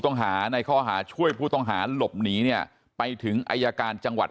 ต้องหาในข้อหาช่วยผู้ต้องหาหลบหนีเนี่ยไปถึงอายการจังหวัด